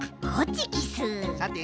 さて？